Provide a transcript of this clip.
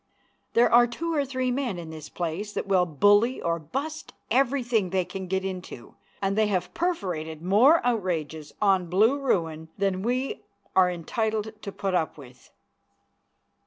There are two or three men in this place that will bully or bust everything they can get into, and they have perforated more outrages on Blue Ruin than we are entitled to put up with.